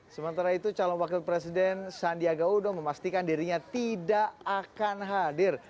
sementara itu calon wakil presiden sandiaga uno memastikan dirinya tidak akan hadir